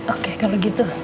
oke kalau gitu ya udah